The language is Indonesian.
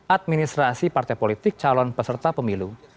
administrasi partai politik calon peserta pemilu